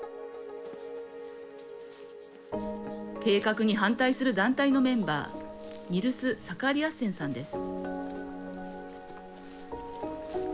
計画に反対する団体のメンバーニルス・サカーリアッセンさんです。